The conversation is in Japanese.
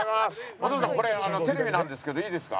お父さんこれテレビなんですけどいいですか？